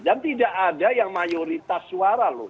dan tidak ada yang mayoritas suara loh